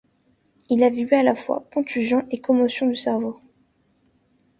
Il y avait eu à la fois contusion et commotion du cerveau.